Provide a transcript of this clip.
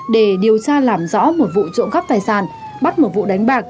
để điều tra làm rõ một vụ trộm cắp tài sản bắt một vụ đánh bạc